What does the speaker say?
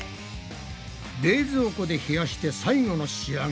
冷蔵庫で冷やして最後の仕上げ。